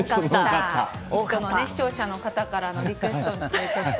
視聴者の方からのリクエストなどを。